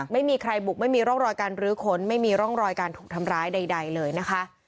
ไม่มีใครบุกไม่มีร่องรอยการรื้อค้นไม่มีร่องรอยการถูกทำร้ายใดเลยนะคะ